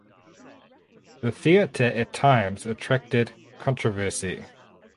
The theater at times attracted controversy.